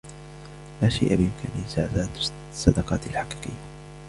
لا شيء بامكانه زعزعة الصداقات الحقيقية.